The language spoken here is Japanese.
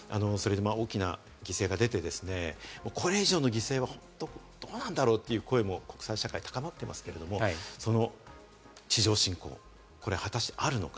大きな犠牲が出て、これ以上の犠牲はどうなんだろう？という声も国際社会に高まってますけれども、その地上侵攻、果たしてあるのか？